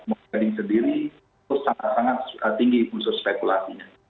mau trading sendiri itu sangat sangat tinggi unsur spekulasi